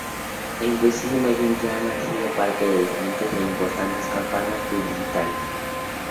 En cuestión de imagen Jan ha sido parte de diferentes e importantes campanas publicitarias.